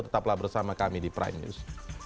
tetaplah bersama kami di prime news